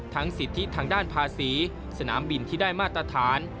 สิทธิทางด้านภาษีสนามบินที่ได้มาตรฐาน